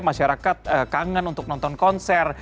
masyarakat kangen untuk nonton konser